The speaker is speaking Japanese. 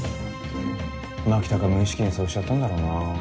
牧高無意識にそうしちゃったんだろうな。